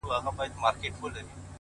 • بلبل نه وو یوه نوې تماشه وه ,